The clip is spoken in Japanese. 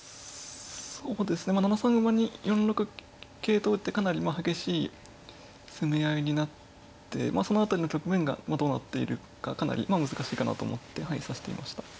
そうですね７三馬に４六桂と打ってかなり激しい攻め合いになってそのあとの局面がどうなっているかかなりまあ難しいかなと思ってはい指していました。